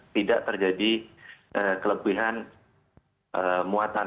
tidak terjadi kelebihan muatan